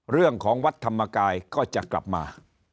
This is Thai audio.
เรื่องของวัดธรรมกายก็จะกลับมา